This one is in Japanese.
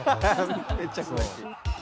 めっちゃ詳しい。